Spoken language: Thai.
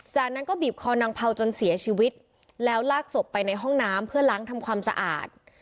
จากนั้นก็บีบคอนางเผาจนเสียชีวิตแล้วลากศพไปในห้องน้ำเพื่อล้างทำความสะอาด